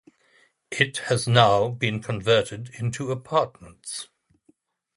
It has now been converted into apartments.